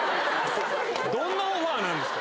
どんなオファーなんですか。